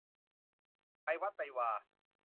ไปวัดไปวา